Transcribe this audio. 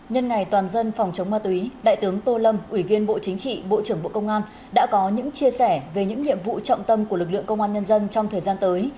nhân ngày toàn dân phòng chống ma túy đại tướng tô lâm ủy viên bộ chính trị bộ trưởng bộ công an đã có những chia sẻ về những nhiệm vụ trọng tâm của lực lượng công an nhân dân trong thời gian tới